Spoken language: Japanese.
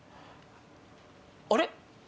あれ？